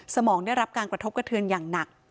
สมองได้รับการกระทบกระเทือนอย่างหนัก